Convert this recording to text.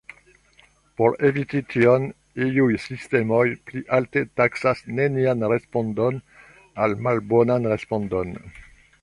Por eviti tion, iuj sistemoj pli alte taksas nenian respondon ol malbonan respondon.